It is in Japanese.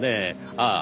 ああ！